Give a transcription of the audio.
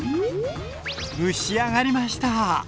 蒸し上がりました！